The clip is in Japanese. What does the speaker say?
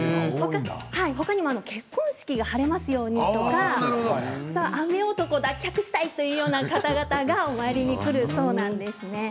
ほかにも結婚式が晴れますようにとか雨男を脱却したいというような方々がお参りに来るそうなんです。